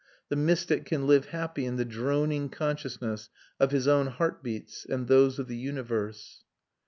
The mystic can live happy in the droning consciousness of his own heart beats and those of the universe.